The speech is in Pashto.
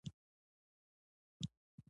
ځلاند د برېښنا ورور دی